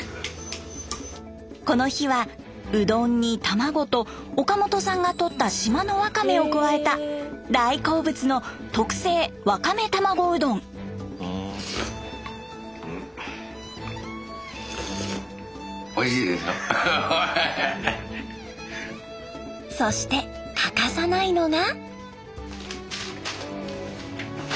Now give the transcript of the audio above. この日はうどんに卵と岡本さんがとった島のわかめを加えた大好物のそして欠かさないのが。